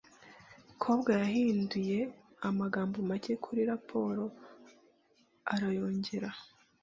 Kobwa yahinduye amagambo make kuri raporo arayongera.